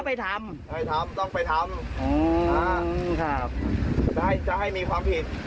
ให้ทำมันต้องไปทำ